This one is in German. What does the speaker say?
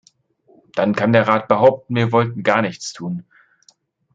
Dann kann der Rat behaupten, wir wollten gar nichts tun.